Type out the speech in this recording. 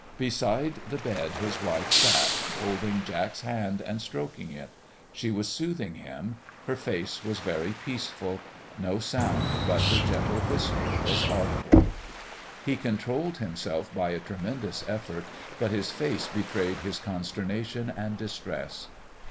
Beside the bed his wife sat, holding Jack's hand and stroking it. She was soothing him; her face was very peaceful. No sound but her gentle whisper was audible. He controlled himself by a tremendous effort, but his face betrayed his consternation and distress.